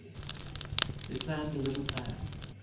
They planned a little plan.